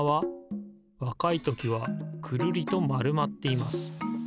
わかいときはくるりとまるまっています。